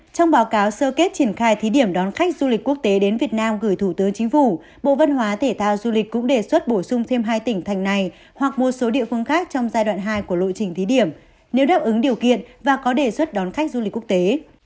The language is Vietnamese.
trong báo cáo sơ kết triển khai thí điểm đón khách du lịch quốc tế đến việt nam gửi thủ tướng chính phủ bộ văn hóa thể thao du lịch cũng đề xuất bổ sung thêm hai tỉnh thành này hoặc một số địa phương khác trong giai đoạn hai của lộ trình thí điểm nếu đáp ứng điều kiện và có đề xuất đón khách du lịch quốc tế